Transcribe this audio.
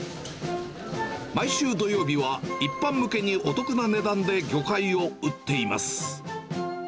毎週土曜日は、一般向けにお得な値段で魚介を売っています。